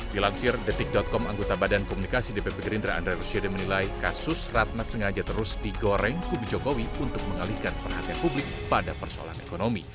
dilansir detik com anggota badan komunikasi dpp gerindra andre rosiade menilai kasus ratna sengaja terus digoreng kubu jokowi untuk mengalihkan perhatian publik pada persoalan ekonomi